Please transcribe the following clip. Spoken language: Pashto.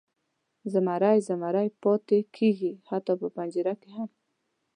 زمری زمری پاتې کیږي، حتی په پنجره کې هم.